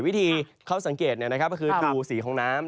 วิธีเขาสังเกตก็คือดูสีของน้ำ